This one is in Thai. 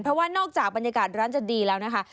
เพราะว่านอกจากบรรยากาศร้านจะดีแล้วนะคะ